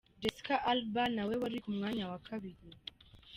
Jessica Alba na we ari ku mwanya wa kabiri.